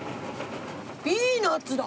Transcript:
ピーナッツだ。